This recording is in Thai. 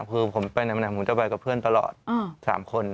คือผมไปไหนมาไหนผมจะไปกับเพื่อนตลอด๓คน